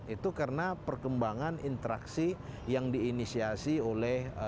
itu karena perkembangan interaksi yang diinisiasi oleh